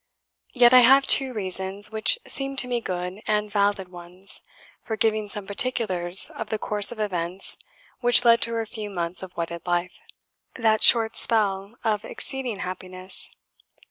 Yet I have two reasons, which seem to me good and valid ones, for giving some particulars of the course of events which led to her few months of wedded life that short spell of exceeding happiness.